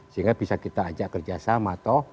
sehingga bisa kita ajak kerja sama toh